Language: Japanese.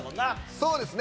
そうですね